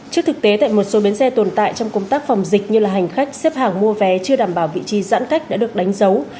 trước thực tế tại một số bến xe tồn tại trong công tác phòng dịch như hành khách xếp hàng mua vé chưa đảm bảo vị trí giãn cách đã được đánh dấu